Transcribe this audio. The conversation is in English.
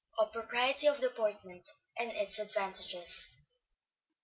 _Of Propriety of Deportment, and its Advantages.